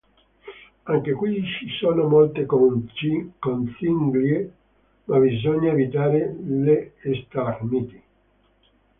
Anche qui ci sono molte conchiglie, ma bisogna evitare le stalagmiti.